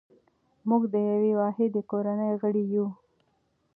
موږ د یوې واحدې کورنۍ غړي یو.